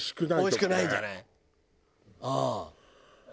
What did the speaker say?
おいしくないんじゃない？